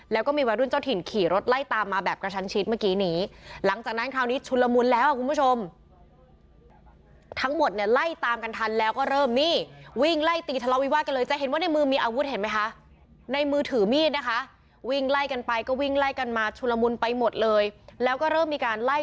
แล้วก็มีวัยรุ่นเจ้าถิ่นขี่รถไล่ตามมาแบบกระชัญชิดเมื่อกี้นี้